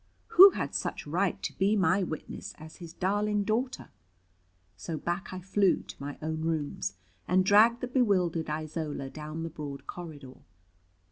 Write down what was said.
Who had such right to be my witness as his darling daughter? So back I flew to my own rooms, and dragged the bewildered Isola down the broad corridor.